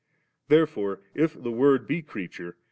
Therefore if the Word be creature.